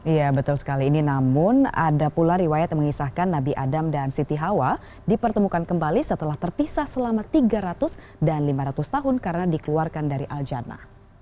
iya betul sekali ini namun ada pula riwayat yang mengisahkan nabi adam dan siti hawa dipertemukan kembali setelah terpisah selama tiga ratus dan lima ratus tahun karena dikeluarkan dari aljana